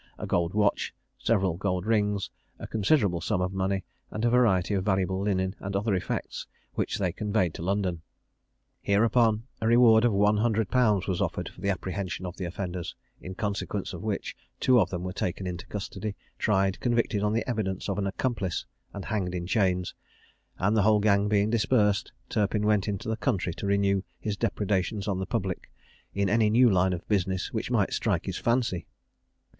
a gold watch, several gold rings, a considerable sum of money, and a variety of valuable linen and other effects, which they conveyed to London. Hereupon a reward of one hundred pounds was offered for the apprehension of the offenders; in consequence of which two of them were taken into custody, tried, convicted on the evidence of an accomplice, and hanged in chains: and the whole gang being dispersed, Turpin went into the country to renew his depredations on the public, in any new line of business which might strike his fancy.